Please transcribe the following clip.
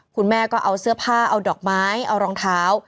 คุณแม่ก็เอาเสื้อผ้าเอาดอกไม้เอารองเท้า